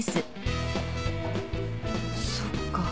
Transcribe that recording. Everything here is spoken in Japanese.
そっか。